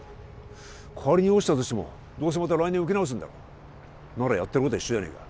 仮に落ちたとしてもどうせまた来年受け直すんだろならやってることは一緒じゃねえかよ